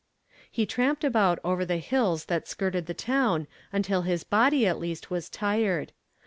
" He tramped about over the liills that skirted the town until his body at least was tired.